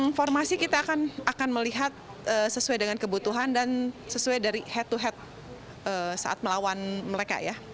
informasi kita akan melihat sesuai dengan kebutuhan dan sesuai dari head to head saat melawan mereka ya